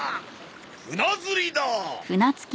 船釣りだ！